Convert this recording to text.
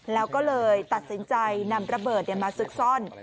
แล้วก็เลยตัดสินใจนำระเบิดมาซุกซ่อน